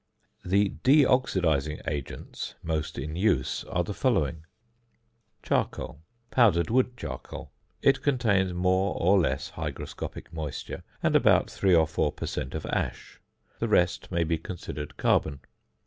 The de oxidising agents most in use are the following: ~Charcoal.~ Powdered wood charcoal; it contains more or less hygroscopic moisture and about 3 or 4 per cent. of ash. The rest may be considered carbon.